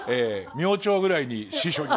明朝ぐらいに司書に。